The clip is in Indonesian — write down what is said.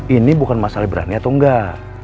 ini bukan masalah berani atau enggak